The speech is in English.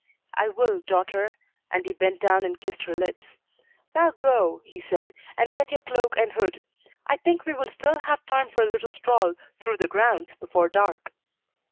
"I will, daughter," and he bent down and kissed her lips. "Now go," he said, "and get your cloak and hood. I think we will still have time for a little stroll through the grounds before dark."